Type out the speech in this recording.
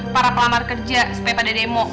dia juga kerja sepe pada demo